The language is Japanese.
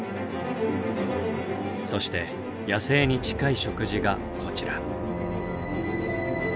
そして野生に近い食事がこちら。